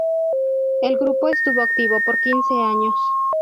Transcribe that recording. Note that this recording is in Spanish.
El grupo estuvo activo por quince años.